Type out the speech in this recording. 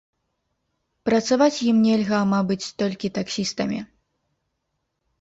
Працаваць ім нельга, мабыць, толькі таксістамі.